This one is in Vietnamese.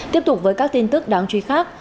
tiếp tục với các tin tức đáng truy khác